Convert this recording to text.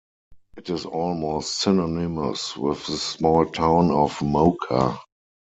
It is almost synonymous with the small town of Moca.